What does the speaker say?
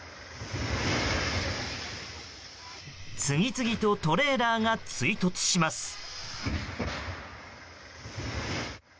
次々とトレーラーが追突します。